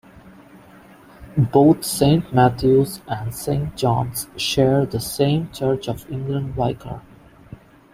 Both Saint Matthew's and Saint John's share the same Church of England vicar.